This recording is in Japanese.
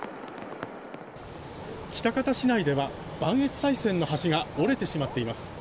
喜多方市内では磐越西線の橋が折れてしまっています。